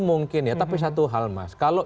mungkin ya tapi satu hal mas kalau